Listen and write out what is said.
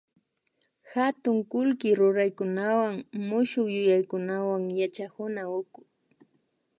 katun kullki ruraykunawan mushukyuyaykunawan yachakuna uku